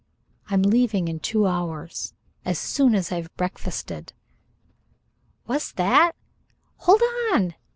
I'm leaving in two hours as soon as I've breakfasted." "What's that? Hold on!"